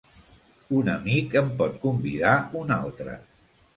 Un amic en pot convidar un altre.